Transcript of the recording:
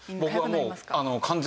僕はもう。